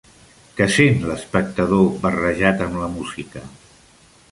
Què sent l'espectador barrejat amb la música?